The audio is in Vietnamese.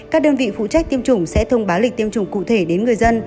các đơn vị phụ trách tiêm chủng sẽ thông báo lịch tiêm chủng cụ thể đến người dân